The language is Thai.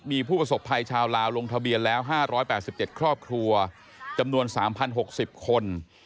มีผู้ประสบภัยชาวลาวลงทะเบียนแล้ว๕๘๗ครอบครัวจำนวน๓๐๖๐คน